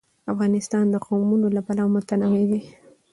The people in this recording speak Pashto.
افغانستان د قومونه له پلوه متنوع دی.